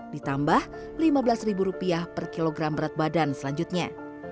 ditambah lima belas ribu rupiah per kilogram berat badan selanjutnya